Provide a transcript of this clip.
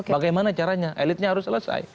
bagaimana caranya elitnya harus selesai